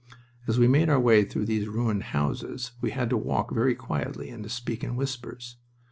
As we made our way through these ruined houses we had to walk very quietly and to speak in whispers.